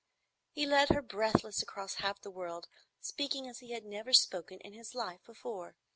He led her breathless across half the world, speaking as he had never spoken in his life before.